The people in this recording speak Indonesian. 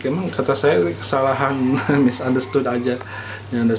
emang kata saya kesalahan misunderstood aja